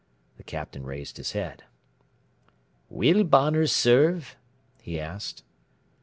The Captain raised his head. "Will Bonner serve?" he asked.